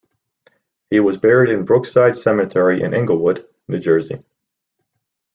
He was buried in Brookside Cemetery in Englewood, New Jersey.